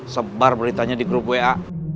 sebar beritanya di grup wa